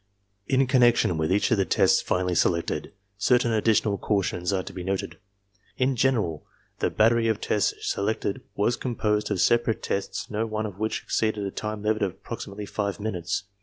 In connection with each of the tests finally selected, certain additional cautions are to be noted. In general, the battery of tests selected was composed of separate tests no one of which exceeded a time limit of approximately five minutes.